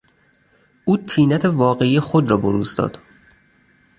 او طینت واقعی خود را بروز داد.